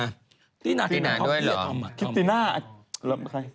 อเจมส์ตินอน่ะพี่ท่อมอ่ะตินาแล้วใคร